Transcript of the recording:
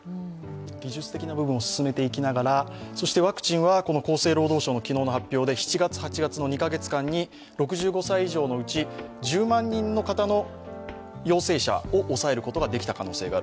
技術的な部分を進めていきながら、そしてワクチンは昨日の発表で、７月、８月の２カ月間に６５歳以上の内１０万人の方の陽性者を抑えることができた可能性がある。